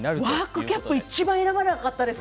ワークキャップはいちばん選ばなかったです